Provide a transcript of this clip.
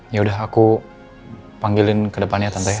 ya udah aku panggilin ke depannya tante